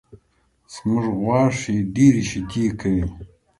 زمونږ غوا ښې ډېرې شیدې کوي